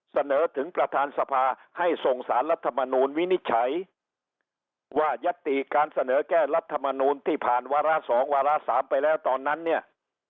เสนอถึงประธานสภาให้ส่งสารรัฐมนูลวินิจฉัยว่ายัตติการเสนอแก้รัฐมนูลที่ผ่านวาระ๒วาระ๓ไปแล้วตอนนั้นเนี่ย